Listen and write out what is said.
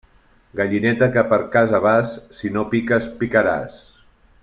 Gallineta que per casa vas, si no piques, picaràs.